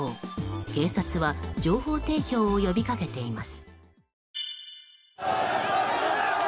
警察は情報提供を呼びかけています。